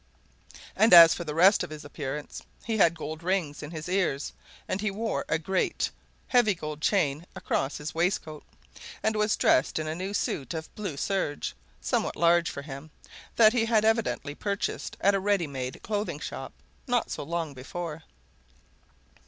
And as for the rest of his appearance, he had gold rings in his ears, and he wore a great, heavy gold chain across his waistcoat, and was dressed in a new suit of blue serge, somewhat large for him, that he had evidently purchased at a ready made clothing shop, not so long before.